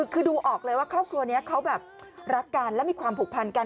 คือดูออกเลยว่าครอบครัวนี้เขาแบบรักกันและมีความผูกพันกัน